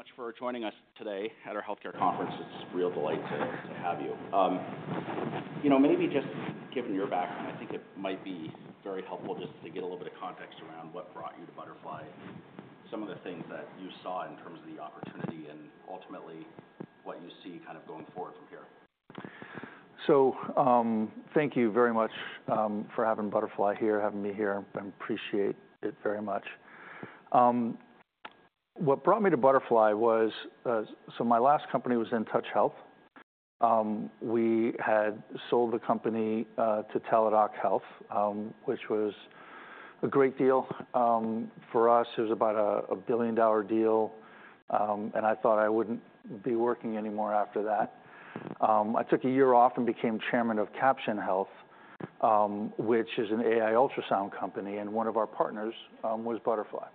much for joining us today at our healthcare conference. It's a real delight to, to have you. You know, maybe just given your background, I think it might be very helpful just to get a little bit of context around what brought you to Butterfly, some of the things that you saw in terms of the opportunity, and ultimately, what you see kind of going forward from here. So, thank you very much for having Butterfly here, having me here. I appreciate it very much. What brought me to Butterfly was... So my last company was InTouch Health. We had sold the company to Teladoc Health, which was a great deal. For us, it was about a billion-dollar deal, and I thought I wouldn't be working anymore after that. I took a year off and became chairman of Caption Health, which is an AI ultrasound company, and one of our partners was Butterfly.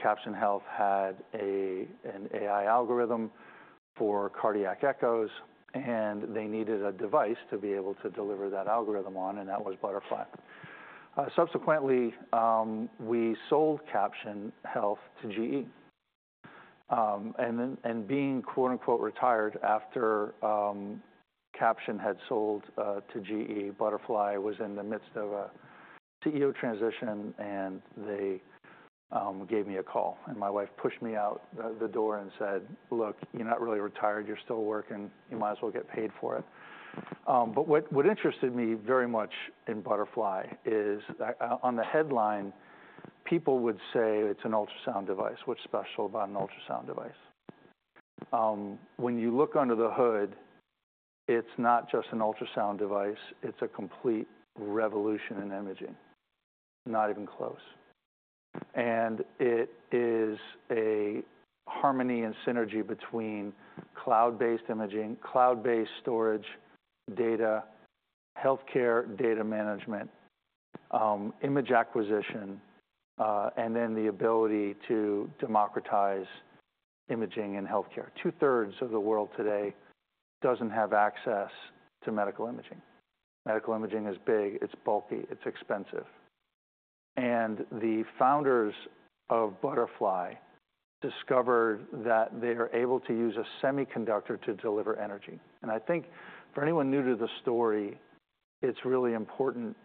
Caption Health had an AI algorithm for cardiac echoes, and they needed a device to be able to deliver that algorithm on, and that was Butterfly. Subsequently, we sold Caption Health to GE. And then, being, "retired" after Caption had sold to GE, Butterfly was in the midst of a CEO transition, and they gave me a call, and my wife pushed me out of the door and said, "Look, you're not really retired. You're still working. You might as well get paid for it." But what interested me very much in Butterfly is that, on the headline, people would say it's an ultrasound device. What's special about an ultrasound device? When you look under the hood, it's not just an ultrasound device, it's a complete revolution in imaging. Not even close. And it is a harmony and synergy between cloud-based imaging, cloud-based storage, data, healthcare, data management, image acquisition, and then the ability to democratize imaging and healthcare. Two-thirds of the world today doesn't have access to medical imaging. Medical imaging is big, it's bulky, it's expensive, and the founders of Butterfly discovered that they are able to use a semiconductor to deliver energy. I think for anyone new to the story, it's really important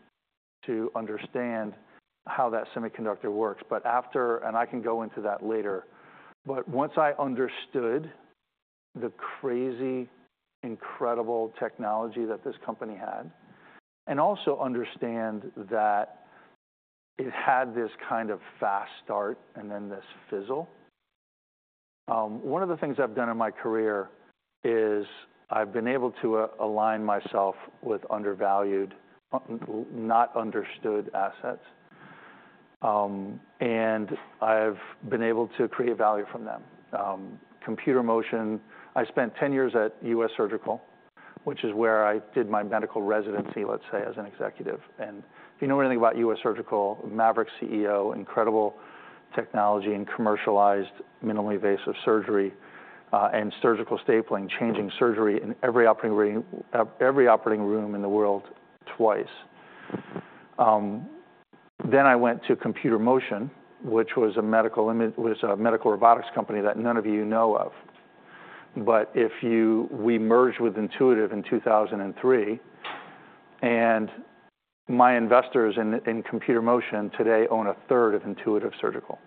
to understand how that semiconductor works. And I can go into that later, but once I understood the crazy, incredible technology that this company had, and also understand that it had this kind of fast start and then this fizzle, one of the things I've done in my career is I've been able to align myself with undervalued, not understood assets, and I've been able to create value from them. Computer Motion, I spent 10 years at U.S. Surgical, which is where I did my medical residency, let's say, as an executive. If you know anything about U.S. Surgical, maverick CEO, incredible technology, and commercialized minimally invasive surgery, and surgical stapling, changing surgery in every operating room, every operating room in the world twice. Then I went to Computer Motion, which was a medical robotics company that none of you know of. But we merged with Intuitive in 2003, and my investors in Computer Motion today own a third of Intuitive Surgical.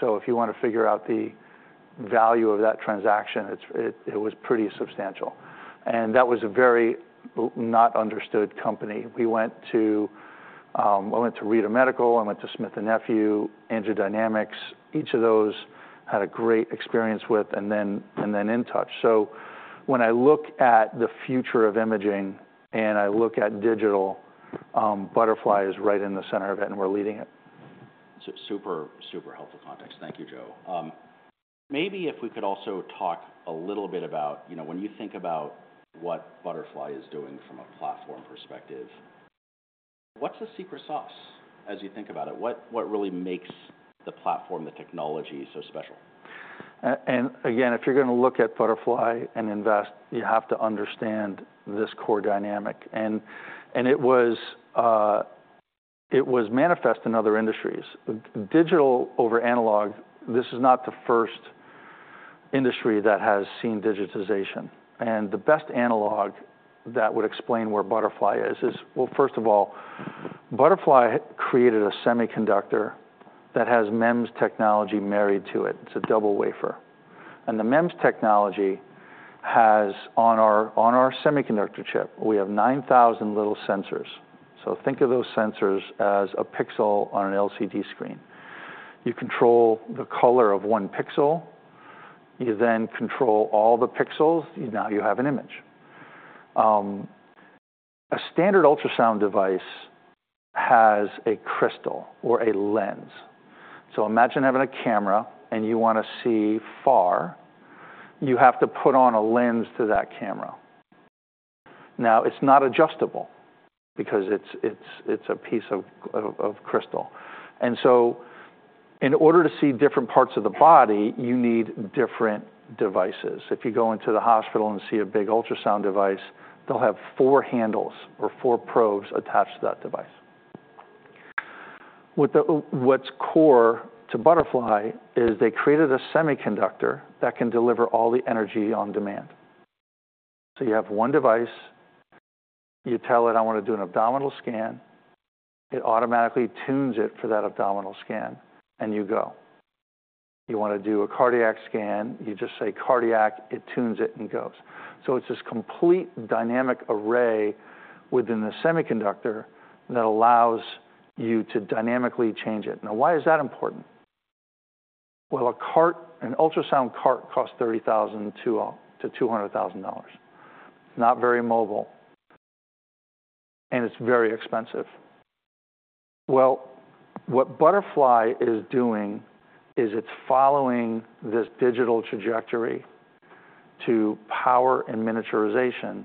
So if you want to figure out the value of that transaction, it was pretty substantial. And that was a very not understood company. We went to, we went to RITA Medical, I went to Smith & Nephew, AngioDynamics. Each of those had a great experience with, and then InTouch. When I look at the future of imaging and I look at digital, Butterfly is right in the center of it, and we're leading it. Super, super helpful context. Thank you, Joe. Maybe if we could also talk a little bit about, you know, when you think about what Butterfly is doing from a platform perspective, what's the secret sauce as you think about it? What really makes the platform, the technology so special? And again, if you're gonna look at Butterfly and invest, you have to understand this core dynamic. And it was manifest in other industries. Digital over analog, this is not the first industry that has seen digitization, and the best analog that would explain where Butterfly is, is... Well, first of all, Butterfly created a semiconductor that has MEMS technology married to it. It's a double wafer. And the MEMS technology has on our semiconductor chip, we have 9,000 little sensors. So think of those sensors as a pixel on an LCD screen. You control the color of one pixel, you then control all the pixels, now you have an image. A standard ultrasound device has a crystal or a lens. So imagine having a camera and you wanna see far, you have to put on a lens to that camera. Now, it's not adjustable because it's a piece of crystal, and so in order to see different parts of the body, you need different devices. If you go into the hospital and see a big ultrasound device, they'll have four handles or four probes attached to that device. What's core to Butterfly is they created a semiconductor that can deliver all the energy on demand. So you have one device, you tell it, "I wanna do an abdominal scan." It automatically tunes it for that abdominal scan, and you go. You wanna do a cardiac scan, you just say, "Cardiac," it tunes it and goes. So it's this complete dynamic array within the semiconductor that allows you to dynamically change it. Now, why is that important? Well, a cart, an ultrasound cart costs $30,000-$200,000. Not very mobile, and it's very expensive. Well, what Butterfly is doing is it's following this digital trajectory to power and miniaturization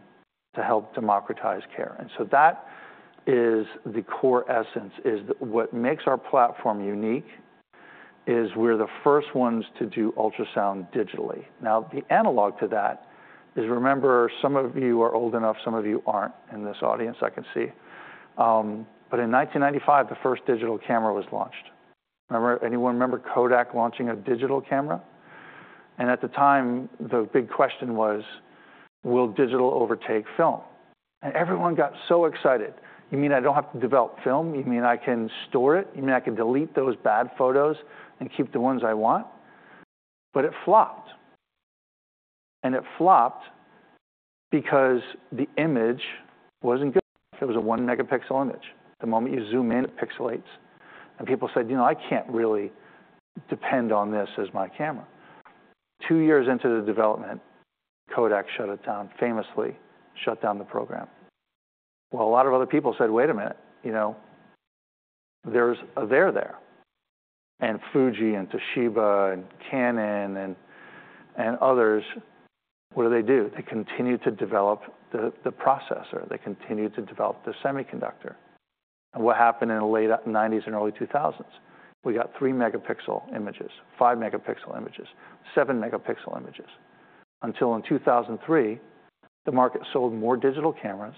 to help democratize care. And so that is the core essence, is what makes our platform unique, is we're the first ones to do ultrasound digitally. Now, the analog to that is, remember, some of you are old enough, some of you aren't in this audience, I can see. But in 1995, the first digital camera was launched. Remember, anyone remember Kodak launching a digital camera? And at the time, the big question was, will digital overtake film? And everyone got so excited. You mean I don't have to develop film? You mean I can store it? You mean I can delete those bad photos and keep the ones I want? But it flopped. And it flopped because the image wasn't good. It was a one megapixel image. The moment you zoom in, it pixelates, and people said, "You know, I can't really depend on this as my camera." Two years into the development, Kodak shut it down, famously shut down the program. Well, a lot of other people said, "Wait a minute, you know, there's a there there." And Fuji and Toshiba and Canon and others, what do they do? They continue to develop the processor. They continue to develop the semiconductor. And what happened in the late 1990s and early 2000s? We got three megapixel images, five megapixel images, seven megapixel images, until in 2003, the market sold more digital cameras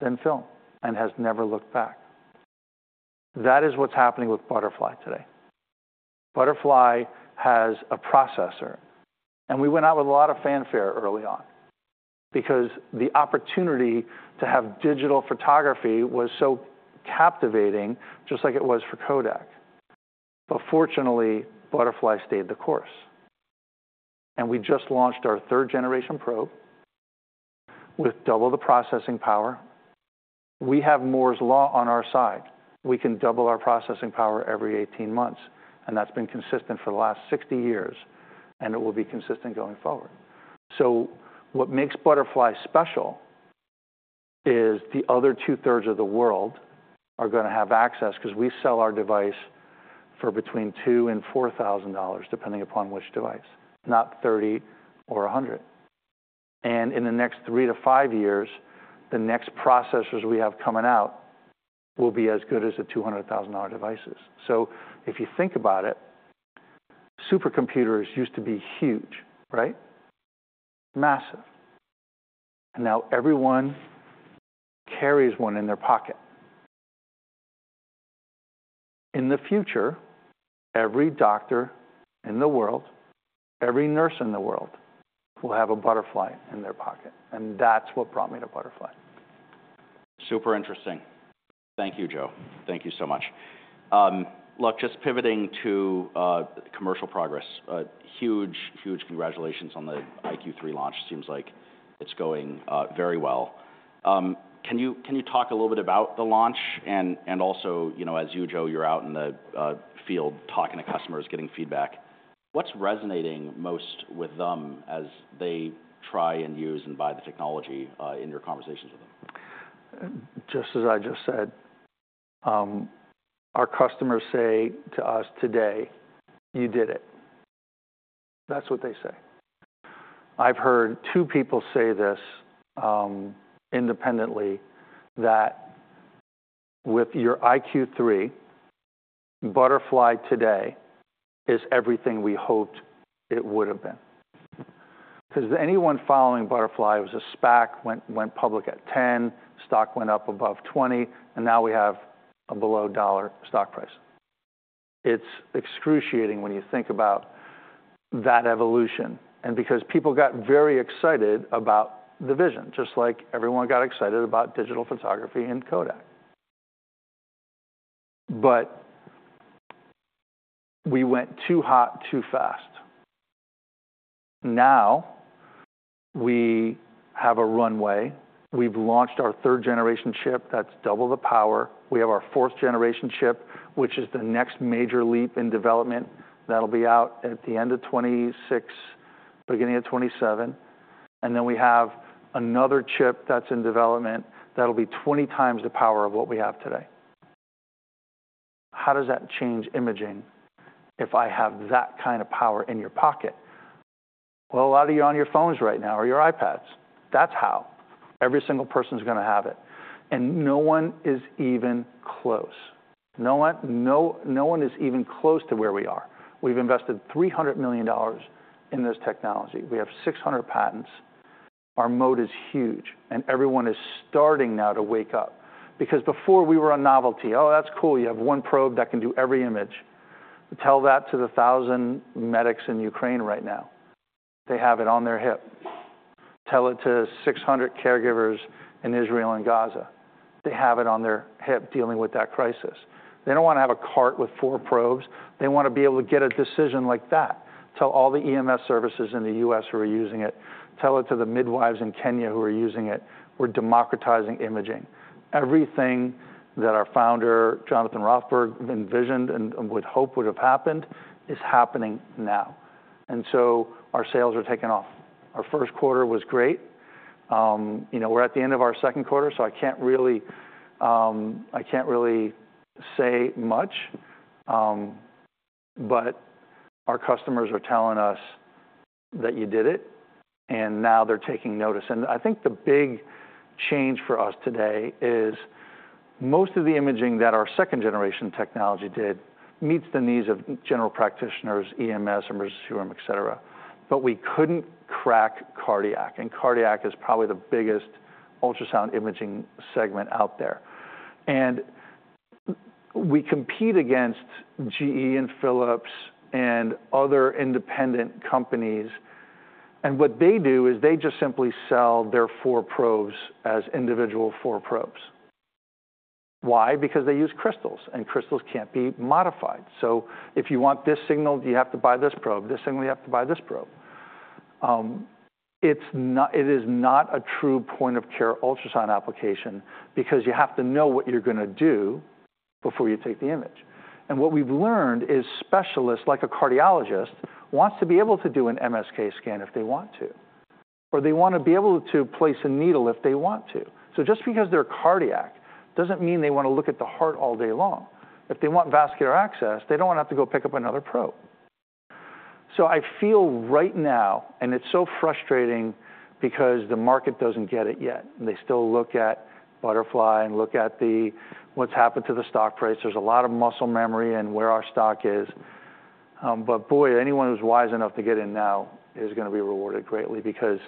than film and has never looked back. That is what's happening with Butterfly today. Butterfly has a processor, and we went out with a lot of fanfare early on because the opportunity to have digital photography was so captivating, just like it was for Kodak. But fortunately, Butterfly stayed the course, and we just launched our third-generation probe with double the processing power. We have Moore's Law on our side. We can double our processing power every 18 months, and that's been consistent for the last 60 years, and it will be consistent going forward. So what makes Butterfly special is the other two-thirds of the world are gonna have access, 'cause we sell our device for between $2,000 and $4,000, depending upon which device, not $30,000 or $100,000. And in the next three to five years, the next processors we have coming out will be as good as the $200,000 devices. So if you think about it, supercomputers used to be huge, right? Massive. Now everyone carries one in their pocket. In the future, every doctor in the world, every nurse in the world, will have a Butterfly in their pocket, and that's what brought me to Butterfly. Super interesting. Thank you, Joe. Thank you so much. Look, just pivoting to commercial progress. A huge, huge congratulations on the iQ3 launch. Seems like it's going very well. Can you talk a little bit about the launch and also, you know, as you, Joe, you're out in the field talking to customers, getting feedback. What's resonating most with them as they try and use and buy the technology in your conversations with them? Just as I just said, our customers say to us today, "You did it." That's what they say. I've heard two people say this, independently, that with your iQ3, Butterfly today is everything we hoped it would have been. Because anyone following Butterfly, it was a SPAC, went public at $10, stock went up above $20, and now we have a below a dollar stock price. It's excruciating when you think about that evolution, and because people got very excited about the vision, just like everyone got excited about digital photography and Kodak. But we went too hot, too fast. Now, we have a runway. We've launched our third-generation chip, that's double the power. We have our fourth generation chip, which is the next major leap in development. That'll be out at the end of 2026, beginning of 2027. And then we have another chip that's in development that'll be 20 times the power of what we have today. How does that change imaging if I have that kind of power in your pocket? Well, a lot of you are on your phones right now or your iPads. That's how. Every single person's gonna have it, and no one is even close. No one, no, no one is even close to where we are. We've invested $300 million in this technology. We have 600 patents. Our moat is huge, and everyone is starting now to wake up. Because before we were a novelty, "Oh, that's cool, you have one probe that can do every image." Tell that to the 1,000 medics in Ukraine right now. They have it on their hip. Tell it to 600 caregivers in Israel and Gaza. They have it on their hip dealing with that crisis. They don't want to have a cart with four probes. They want to be able to get a decision like that. Tell all the EMS services in the U.S. who are using it. Tell it to the midwives in Kenya who are using it. We're democratizing imaging. Everything that our founder, Jonathan Rothberg, envisioned and would hope would have happened is happening now, and so our sales are taking off. Our first quarter was great. You know, we're at the end of our second quarter, so I can't really say much, but our customers are telling us that you did it, and now they're taking notice. I think the big change for us today is most of the imaging that our second-generation technology did meets the needs of general practitioners, EMS, emergency room, et cetera. But we couldn't crack cardiac, and cardiac is probably the biggest ultrasound imaging segment out there. And we compete against GE and Philips and other independent companies, and what they do is they just simply sell their four probes as individual four probes. Why? Because they use crystals, and crystals can't be modified. So if you want this signal, you have to buy this probe. This signal, you have to buy this probe. It's not. It is not a true point-of-care ultrasound application because you have to know what you're gonna do before you take the image. And what we've learned is specialists, like a cardiologist, wants to be able to do an MSK scan if they want to, or they want to be able to place a needle if they want to. So just because they're cardiac doesn't mean they want to look at the heart all day long. If they want vascular access, they don't want to have to go pick up another probe. So I feel right now, and it's so frustrating because the market doesn't get it yet, they still look at Butterfly and look at the... what's happened to the stock price. There's a lot of muscle memory and where our stock is. But boy, anyone who's wise enough to get in now is gonna be rewarded greatly because,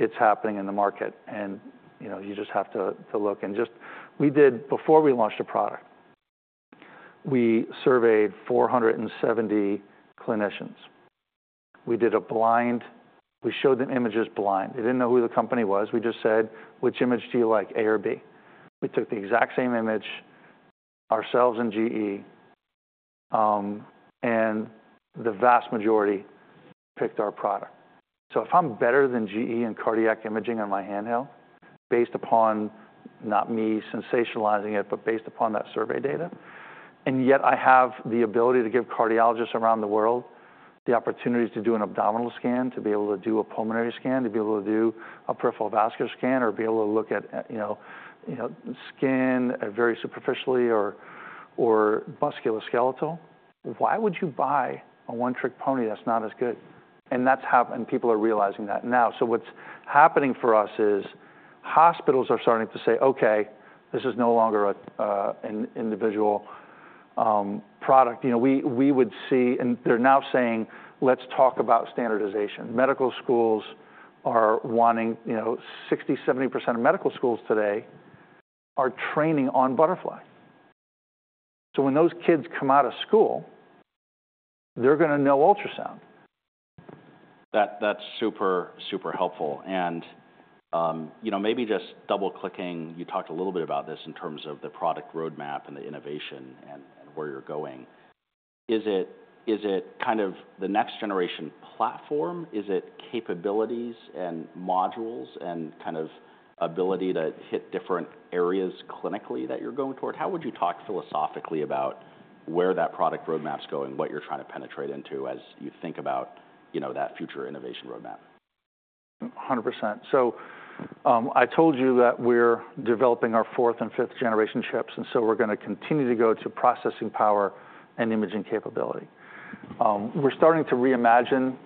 it's happening in the market, and, you know, you just have to look. Before we launched a product, we surveyed 470 clinicians. We did a blind study. We showed them images blind. They didn't know who the company was. We just said, "Which image do you like, A or B?" We took the exact same image, ourselves and GE, and the vast majority picked our product. So if I'm better than GE in cardiac imaging on my handheld, based upon, not me sensationalizing it, but based upon that survey data, and yet I have the ability to give cardiologists around the world the opportunities to do an abdominal scan, to be able to do a pulmonary scan, to be able to do a peripheral vascular scan, or be able to look at, you know, scan very superficially or musculoskeletal, why would you buy a one-trick pony that's not as good? People are realizing that now. So what's happening for us is, hospitals are starting to say, "Okay, this is no longer an individual product." You know, we, we would see... And they're now saying, "Let's talk about standardization." Medical schools are wanting, you know, 60%-70% of medical schools today are training on Butterfly. So when those kids come out of school, they're gonna know ultrasound. That, that's super, super helpful. And, you know, maybe just double-clicking, you talked a little bit about this in terms of the product roadmap and the innovation and, and where you're going. Is it, is it kind of the next generation platform? Is it capabilities and modules and kind of ability to hit different areas clinically that you're going toward? How would you talk philosophically about where that product roadmap's going, what you're trying to penetrate into as you think about, you know, that future innovation roadmap? 100%. So, I told you that we're developing our fourth and fifth generation chips, and so we're gonna continue to go to processing power and imaging capability. We're starting to reimagine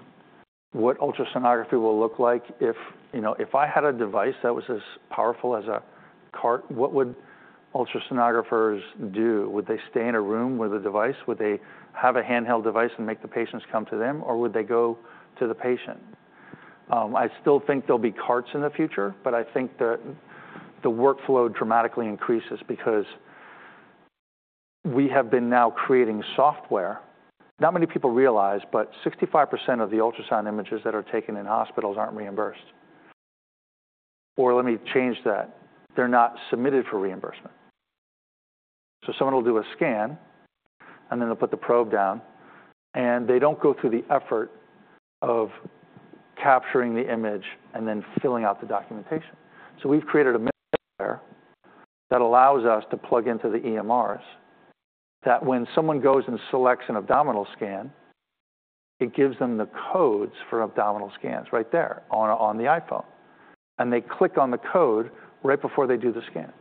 what ultrasonography will look like. If, you know, if I had a device that was as powerful as a cart, what would ultrasonographers do? Would they stay in a room with a device? Would they have a handheld device and make the patients come to them, or would they go to the patient? I still think there'll be carts in the future, but I think that the workflow dramatically increases because we have been now creating software. Not many people realize, but 65% of the ultrasound images that are taken in hospitals aren't reimbursed. Or let me change that: They're not submitted for reimbursement. So someone will do a scan, and then they'll put the probe down, and they don't go through the effort of capturing the image and then filling out the documentation. So we've created that allows us to plug into the EMRs, that when someone goes and selects an abdominal scan, it gives them the codes for abdominal scans right there on, on the iPhone. And they click on the code right before they do the scan.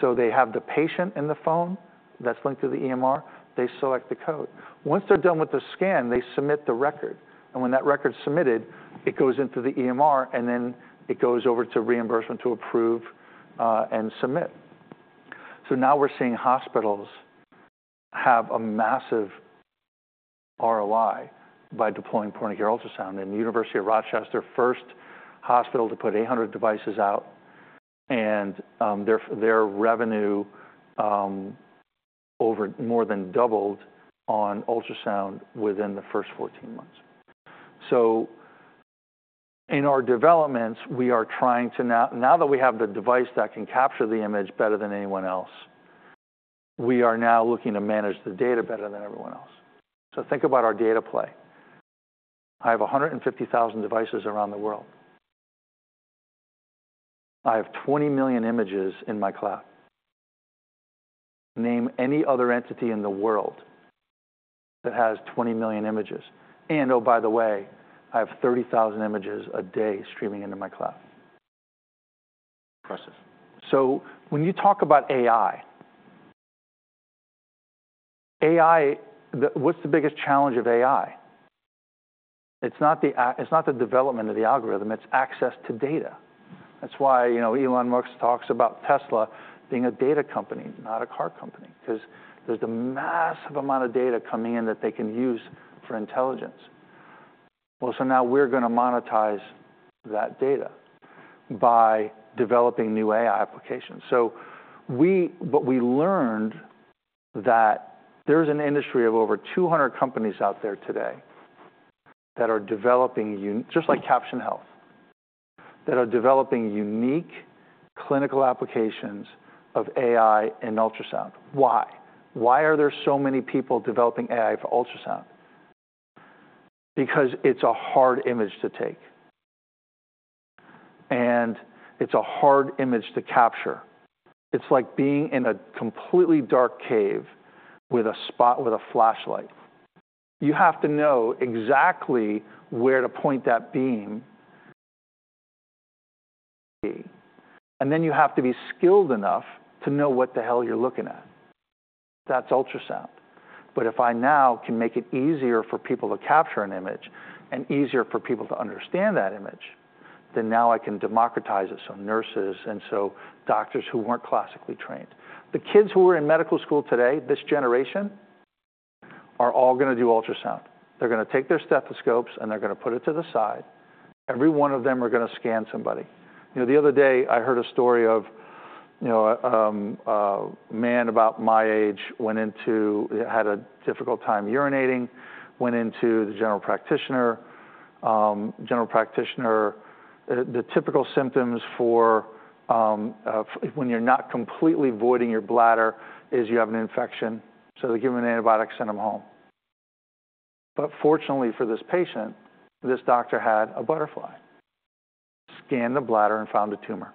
So they have the patient in the phone that's linked to the EMR. They select the code. Once they're done with the scan, they submit the record, and when that record's submitted, it goes into the EMR, and then it goes over to reimbursement to approve and submit. So now we're seeing hospitals have a massive ROI by deploying point-of-care ultrasound. University of Rochester, first hospital to put 800 devices out, and their revenue over more than doubled on ultrasound within the first 14 months. So in our developments, we are trying to now - now that we have the device that can capture the image better than anyone else, we are now looking to manage the data better than everyone else. So think about our data play. I have 150,000 devices around the world. I have 20 million images in my cloud. Name any other entity in the world that has 20 million images, and oh, by the way, I have 30,000 images a day streaming into my cloud. Process. So when you talk about AI, AI, what's the biggest challenge of AI? It's not the development of the algorithm, it's access to data. That's why, you know, Elon Musk talks about Tesla being a data company, not a car company, because there's a massive amount of data coming in that they can use for intelligence. Well, so now we're gonna monetize that data by developing new AI applications. But we learned that there's an industry of over 200 companies out there today that are developing, just like Caption Health, unique clinical applications of AI and ultrasound. Why? Why are there so many people developing AI for ultrasound? Because it's a hard image to take, and it's a hard image to capture. It's like being in a completely dark cave with a flashlight. You have to know exactly where to point that beam. And then you have to be skilled enough to know what the hell you're looking at. That's ultrasound. But if I now can make it easier for people to capture an image and easier for people to understand that image, then now I can democratize it so nurses and so doctors who weren't classically trained. The kids who are in medical school today, this generation, are all gonna do ultrasound. They're gonna take their stethoscopes, and they're gonna put it to the side. Every one of them are gonna scan somebody. You know, the other day, I heard a story of, you know, a man about my age, went into... He had a difficult time urinating, went into the general practitioner. General practitioner, the typical symptoms for, when you're not completely voiding your bladder is you have an infection, so they give him an antibiotic, send him home. But fortunately for this patient, this doctor had a Butterfly, scanned the bladder and found a tumor.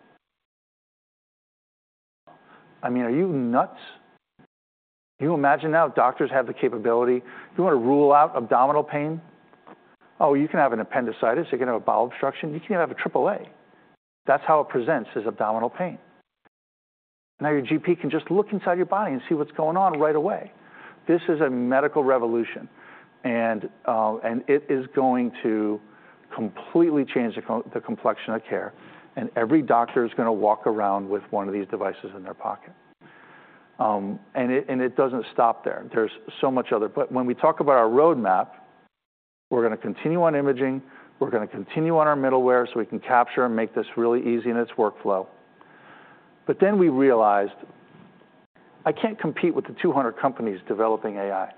I mean, are you nuts? Can you imagine now doctors have the capability? You want to rule out abdominal pain? Oh, you can have an appendicitis, you can have a bowel obstruction, you can have a triple A. That's how it presents, as abdominal pain. Now, your GP can just look inside your body and see what's going on right away. This is a medical revolution, and and it is going to completely change the complexion of care, and every doctor is gonna walk around with one of these devices in their pocket. And it doesn't stop there. There's so much other... But when we talk about our roadmap, we're gonna continue on imaging, we're gonna continue on our middleware so we can capture and make this really easy in its workflow. But then we realized I can't compete with the 200 companies developing AI.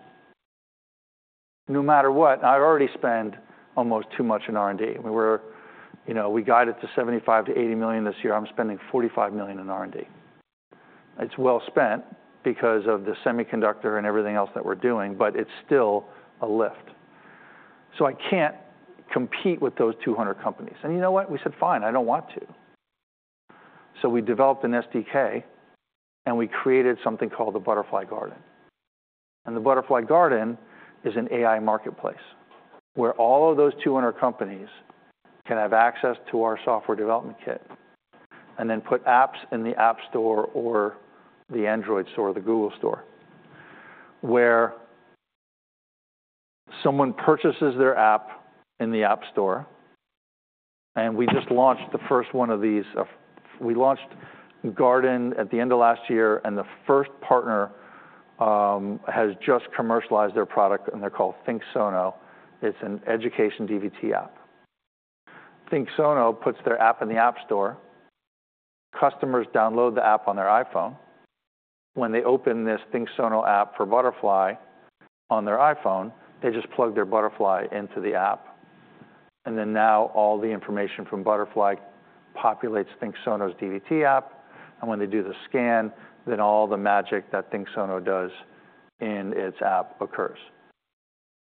No matter what, I'd already spend almost too much in R&D. We were, you know, we got it to $75 million-$80 million this year. I'm spending $45 million in R&D. It's well spent because of the semiconductor and everything else that we're doing, but it's still a lift. So I can't compete with those 200 companies. And you know what? We said, "Fine, I don't want to." So we developed an SDK, and we created something called the Butterfly Garden. The Butterfly Garden is an AI marketplace, where all of those 200 companies can have access to our software development kit and then put apps in the App Store or the Android Store or the Google Store, where someone purchases their app in the App Store, and we just launched the first one of these. We launched Garden at the end of last year, and the first partner has just commercialized their product, and they're called ThinkSono. It's an education DVT app. ThinkSono puts their app in the App Store. Customers download the app on their iPhone. When they open this ThinkSono app for Butterfly on their iPhone, they just plug their Butterfly into the app, and then now all the information from Butterfly populates ThinkSono's DVT app. When they do the scan, then all the magic that ThinkSono does in its app occurs.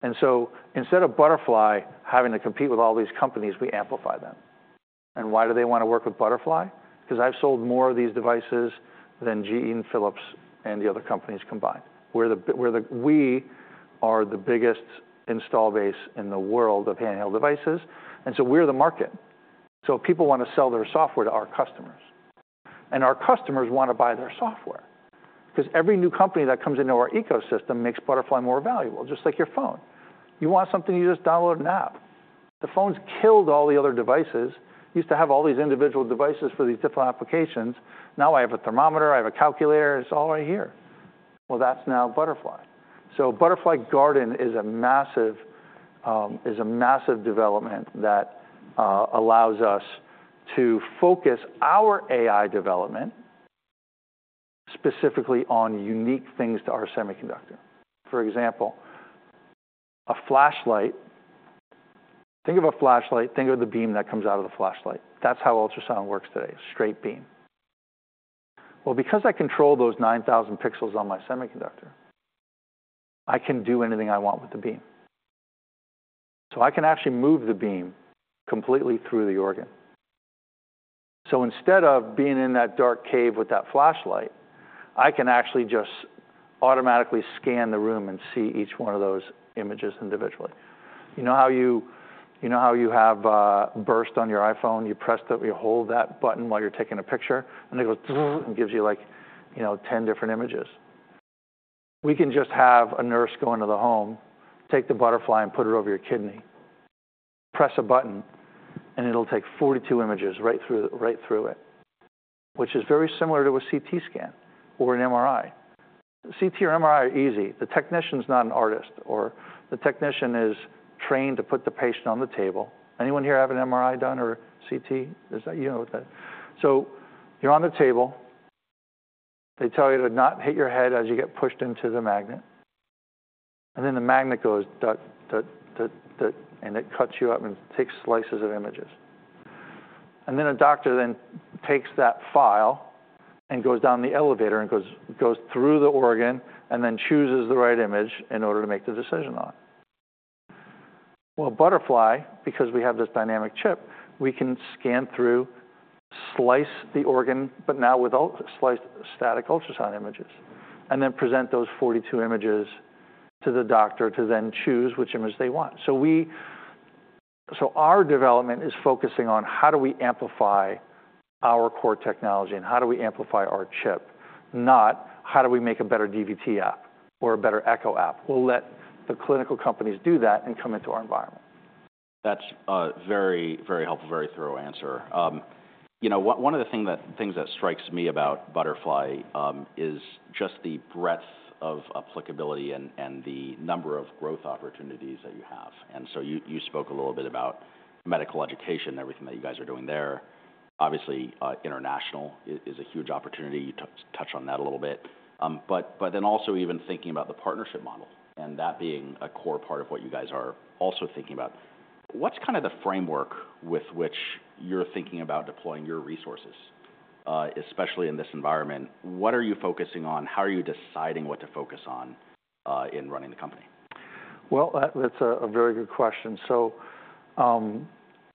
And so instead of Butterfly having to compete with all these companies, we amplify them. And why do they want to work with Butterfly? Because I've sold more of these devices than GE and Philips and the other companies combined. We're the biggest installed base in the world of handheld devices, and so we're the market. So people want to sell their software to our customers, and our customers want to buy their software because every new company that comes into our ecosystem makes Butterfly more valuable, just like your phone. You want something, you just download an app... The phones killed all the other devices. Used to have all these individual devices for these different applications. Now I have a thermometer, I have a calculator, it's all right here. Well, that's now Butterfly. So Butterfly Garden is a massive development that allows us to focus our AI development specifically on unique things to our semiconductor. For example, a flashlight. Think of a flashlight, think of the beam that comes out of the flashlight. That's how ultrasound works today, straight beam. Well, because I control those 9,000 pixels on my semiconductor, I can do anything I want with the beam. So I can actually move the beam completely through the organ. So instead of being in that dark cave with that flashlight, I can actually just automatically scan the room and see each one of those images individually. You know how you have burst on your iPhone? You press that, you hold that button while you're taking a picture, and it goes, and gives you, like, you know, 10 different images. We can just have a nurse go into the home, take the Butterfly and put it over your kidney, press a button, and it'll take 42 images right through, right through it, which is very similar to a CT scan or an MRI. CT or MRI are easy. The technician's not an artist, or the technician is trained to put the patient on the table. Anyone here have an MRI done or a CT? Is that? You know what that. So you're on the table. They tell you to not hit your head as you get pushed into the magnet, and then the magnet goes, dut, dut, dut, dut, and it cuts you up and takes slices of images. And then a doctor takes that file and goes down the elevator and goes through the organ and then chooses the right image in order to make the decision on. Well, Butterfly, because we have this dynamic chip, we can scan through, slice the organ, but now without slice static ultrasound images, and then present those 42 images to the doctor to then choose which image they want. So our development is focusing on how do we amplify our core technology and how do we amplify our chip? Not how do we make a better DVT app or a better Echo app. We'll let the clinical companies do that and come into our environment. That's a very, very helpful, very thorough answer. You know, one of the things that strikes me about Butterfly is just the breadth of applicability and the number of growth opportunities that you have. And so you spoke a little bit about medical education and everything that you guys are doing there. Obviously, international is a huge opportunity. You touched on that a little bit. But then also even thinking about the partnership model and that being a core part of what you guys are also thinking about, what's kind of the framework with which you're thinking about deploying your resources, especially in this environment? What are you focusing on? How are you deciding what to focus on in running the company? Well, that's a very good question. So,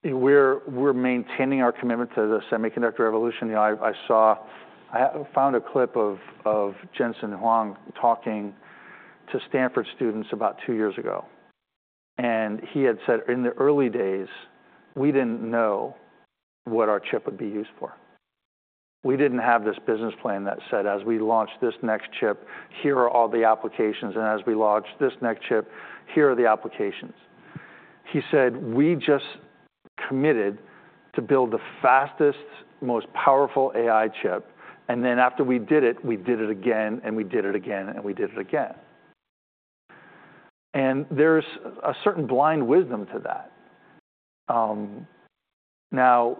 we're maintaining our commitment to the semiconductor evolution. I found a clip of Jensen Huang talking to Stanford students about two years ago, and he had said, "In the early days, we didn't know what our chip would be used for. We didn't have this business plan that said, as we launch this next chip, here are all the applications, and as we launch this next chip, here are the applications." He said, "We just committed to build the fastest, most powerful AI chip, and then after we did it, we did it again, and we did it again, and we did it again." And there's a certain blind wisdom to that. Now,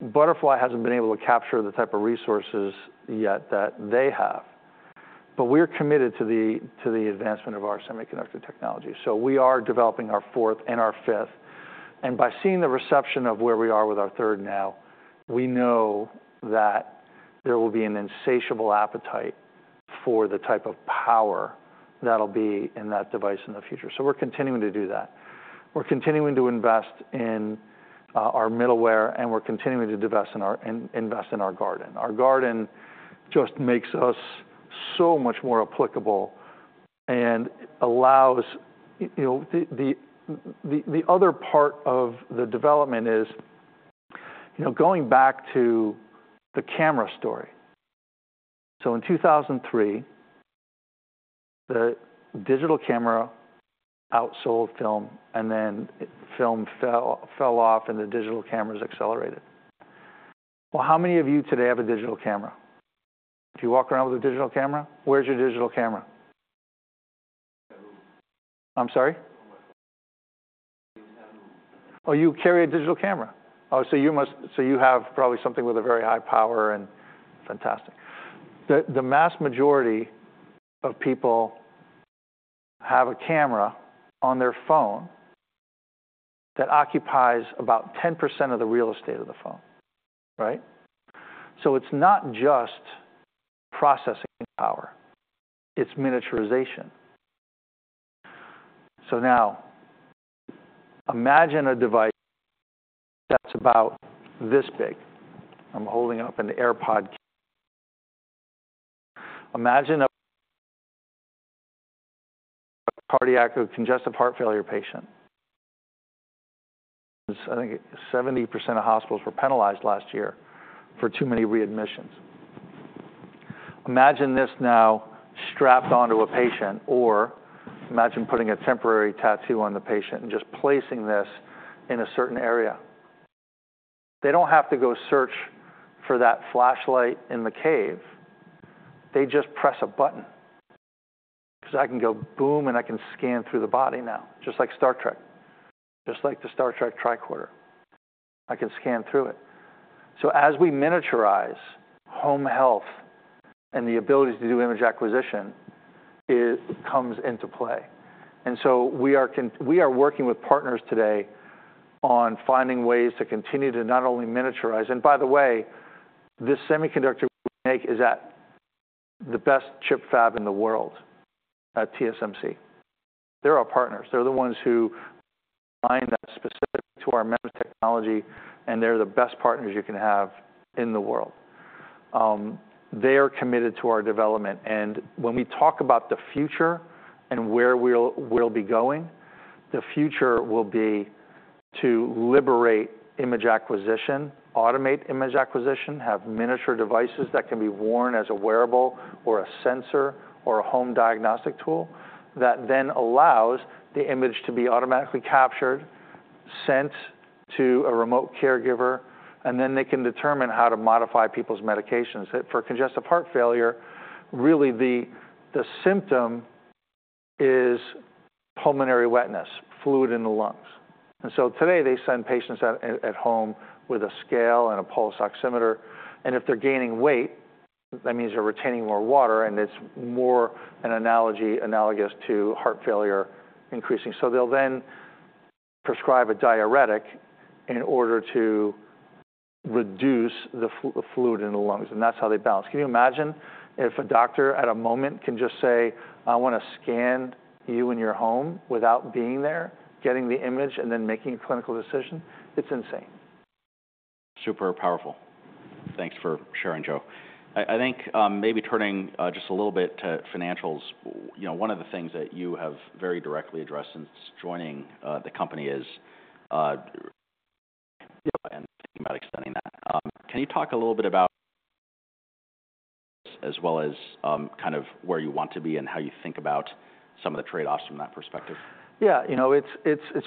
Butterfly hasn't been able to capture the type of resources yet that they have, but we're committed to the advancement of our semiconductor technology. So we are developing our fourth and our fifth, and by seeing the reception of where we are with our third now, we know that there will be an insatiable appetite for the type of power that'll be in that device in the future. So we're continuing to do that. We're continuing to invest in our middleware, and we're continuing to invest in our garden. Our garden just makes us so much more applicable and allows... You know, the other part of the development is, you know, going back to the camera story. So in 2003, the digital camera outsold film, and then film fell off and the digital cameras accelerated. Well, how many of you today have a digital camera? Do you walk around with a digital camera? Where's your digital camera? I do. I'm sorry? I do. Oh, you carry a digital camera. Oh, so you must. So you have probably something with a very high power and... Fantastic. The vast majority of people have a camera on their phone that occupies about 10% of the real estate of the phone, right? So it's not just processing power, it's miniaturization. So now, imagine a device that's about this big. I'm holding up an AirPod. Imagine a cardiac congestive heart failure patient. I think 70% of hospitals were penalized last year for too many readmissions. Imagine this now strapped onto a patient, or imagine putting a temporary tattoo on the patient and just placing this in a certain area. They don't have to go search for that flashlight in the cave. They just press a button. So I can go boom, and I can scan through the body now, just like Star Trek, just like the Star Trek tricorder. I can scan through it. So as we miniaturize home health and the ability to do image acquisition, it comes into play. And so we are working with partners today on finding ways to continue to not only miniaturize. And by the way, this semiconductor we make is at the best chip fab in the world, at TSMC. They're our partners. They're the ones who find that specific to our MEMS technology, and they're the best partners you can have in the world. They are committed to our development. When we talk about the future and where we'll be going, the future will be to liberate image acquisition, automate image acquisition, have miniature devices that can be worn as a wearable or a sensor or a home diagnostic tool, that then allows the image to be automatically captured, sent to a remote caregiver, and then they can determine how to modify people's medications. For congestive heart failure, really, the symptom is pulmonary wetness, fluid in the lungs. So today, they send patients out at home with a scale and a pulse oximeter, and if they're gaining weight, that means they're retaining more water, and it's more analogous to heart failure increasing. They'll then prescribe a diuretic in order to reduce the fluid in the lungs, and that's how they balance. Can you imagine if a doctor at a moment can just say, "I want to scan you in your home without being there, getting the image, and then making a clinical decision?" It's insane. Super powerful. Thanks for sharing, Joe. I think maybe turning just a little bit to financials. You know, one of the things that you have very directly addressed since joining the company is, and thinking about extending that. Can you talk a little bit about, as well as, kind of where you want to be and how you think about some of the trade-offs from that perspective? Yeah, you know, it's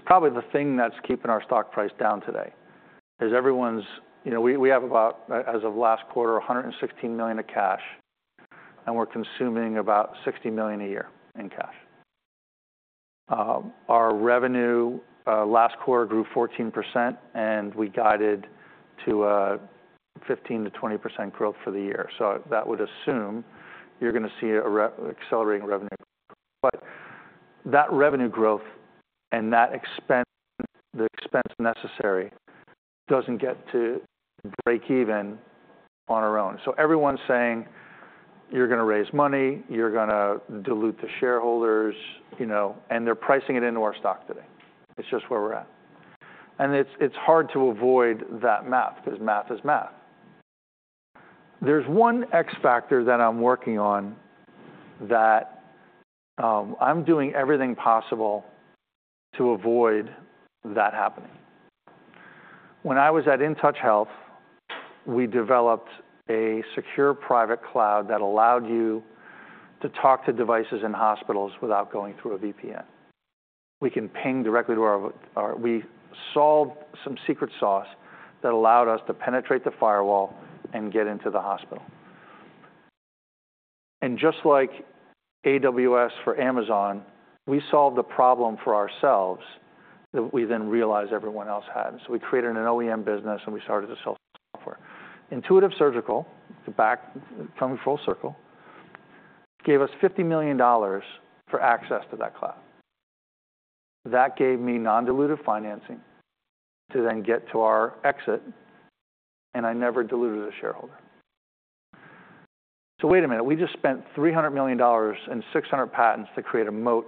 probably the thing that's keeping our stock price down today, is everyone's... You know, we have about, as of last quarter, $116 million of cash, and we're consuming about $60 million a year in cash. Our revenue last quarter grew 14%, and we guided to a 15%-20% growth for the year. So that would assume you're gonna see a reaccelerating revenue. But that revenue growth and that expense, the expense necessary, doesn't get to break even on our own. So everyone's saying, "You're gonna raise money, you're gonna dilute the shareholders," you know, and they're pricing it into our stock today. It's just where we're at. And it's hard to avoid that math, 'cause math is math. There's one X factor that I'm working on that I'm doing everything possible to avoid that happening. When I was at InTouch Health, we developed a secure private cloud that allowed you to talk to devices in hospitals without going through a VPN. We can ping directly to our. We solved some secret sauce that allowed us to penetrate the firewall and get into the hospital. And just like AWS for Amazon, we solved the problem for ourselves that we then realized everyone else had. So we created an OEM business, and we started to sell software. Intuitive Surgical, to back, coming full circle, gave us $50 million for access to that cloud. That gave me non-dilutive financing to then get to our exit, and I never diluted a shareholder. So wait a minute, we just spent $300 million and 600 patents to create a moat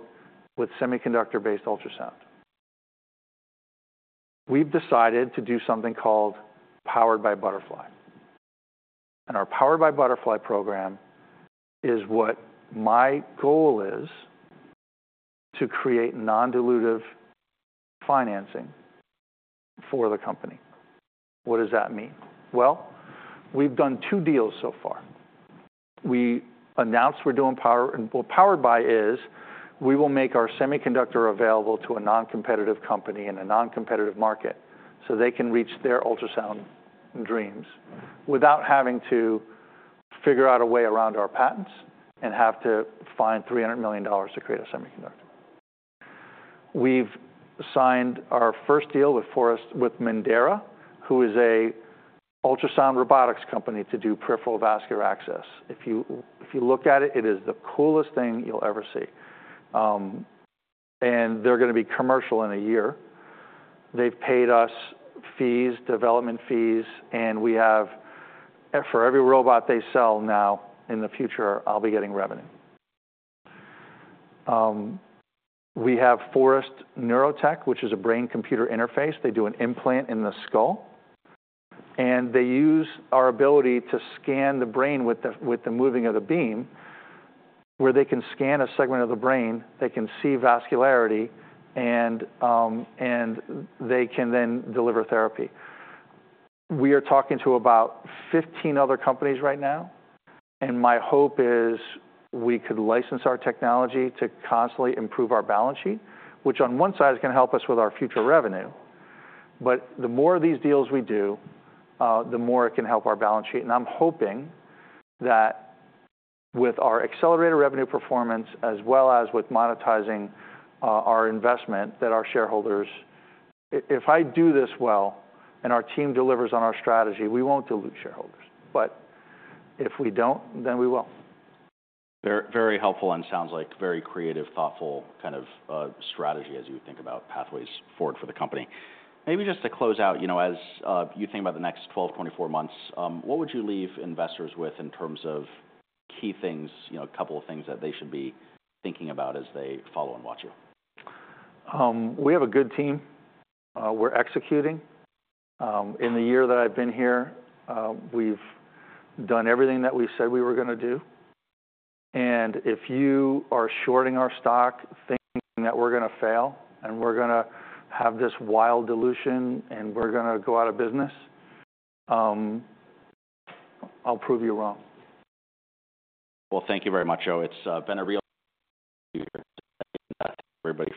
with semiconductor-based ultrasound. We've decided to do something called Powered by Butterfly. And our Powered by Butterfly program is what my goal is to create non-dilutive financing for the company. What does that mean? Well, we've done two deals so far. We announced we're doing... What Powered by is, we will make our semiconductor available to a non-competitive company in a non-competitive market, so they can reach their ultrasound dreams without having to figure out a way around our patents and have to find $300 million to create a semiconductor. We've signed our first deal with Mendaera, who is an ultrasound robotics company, to do peripheral vascular access. If you look at it, it is the coolest thing you'll ever see. And they're gonna be commercial in a year. They've paid us fees, development fees, and we have, for every robot they sell now, in the future, I'll be getting revenue. We have Forest Neurotech, which is a brain-computer interface. They do an implant in the skull, and they use our ability to scan the brain with the, with the moving of the beam, where they can scan a segment of the brain, they can see vascularity, and, and they can then deliver therapy. We are talking to about 15 other companies right now, and my hope is we could license our technology to constantly improve our balance sheet, which on one side, is gonna help us with our future revenue. But the more these deals we do, the more it can help our balance sheet. I'm hoping that with our accelerated revenue performance, as well as with monetizing our investment, that our shareholders... If, if I do this well, and our team delivers on our strategy, we won't dilute shareholders. But if we don't, then we will. Very, very helpful and sounds like very creative, thoughtful, kind of, strategy as you think about pathways forward for the company. Maybe just to close out, you know, as you think about the next 12-24 months, what would you leave investors with in terms of key things, you know, a couple of things that they should be thinking about as they follow and watch you? We have a good team. We're executing. In the year that I've been here, we've done everything that we said we were gonna do. And if you are shorting our stock, thinking that we're gonna fail, and we're gonna have this wild dilution, and we're gonna go out of business, I'll prove you wrong. Well, thank you very much, Joe. It's been a real everybody.